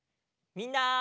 みんな！